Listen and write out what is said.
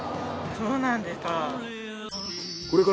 そうなんですか。